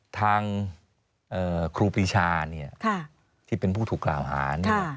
ทางครูปีชาที่เป็นผู้ถูกกล่าวหา